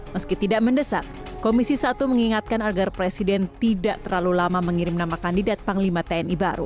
meski tidak mendesak komisi satu mengingatkan agar presiden tidak terlalu lama mengirim nama kandidat panglima tni baru